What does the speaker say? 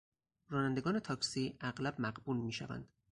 رانندگان تاکسی اغلب مغبون میشوند.